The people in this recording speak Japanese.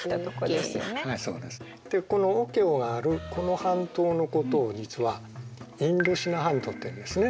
でこのオケオがあるこの半島のことを実はインドシナ半島っていうんですね。